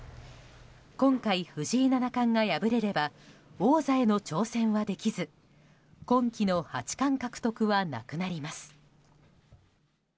今回、藤井七冠が敗れれば王座への挑戦はできず今期の八冠獲得はなくなります。